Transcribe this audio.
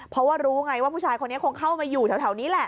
เพราะว่ารู้ไงว่าผู้ชายคนนี้คงเข้ามาอยู่แถวนี้แหละ